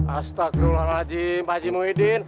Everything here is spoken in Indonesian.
astagfirullahaladzim pak haji muhyiddin